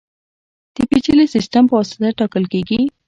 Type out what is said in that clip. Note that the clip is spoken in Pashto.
د پېچلي سیستم په واسطه ټاکل کېږي.